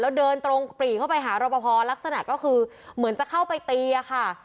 แล้วเดินตรงปรีเข้าไปหารปภลักษณะก็คือเหมือนจะเข้าไปตีอะค่ะ